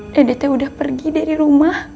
dedeh teh udah pergi dari rumah